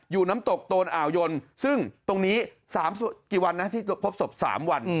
น้ำตกโตนอ่าวยนซึ่งตรงนี้๓กี่วันนะที่พบศพ๓วัน